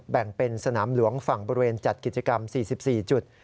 แบ่งเป็นสนามหลวงฝั่งบริเวณจัดกิจกรรม๔๔จุด